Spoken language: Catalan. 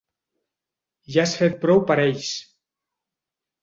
Ja has fet prou per ells.